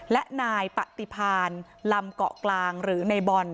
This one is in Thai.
และนายปฏิพานลำเกาะกลางหรือในบอล